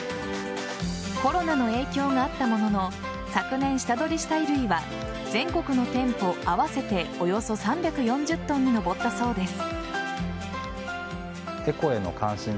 コロナの影響があったものの昨年、下取りした衣類は全国の店舗合わせておよそ３４０ｔに上ったそうです。